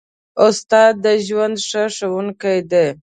استاد د ژوند ښه ښوونکی دی.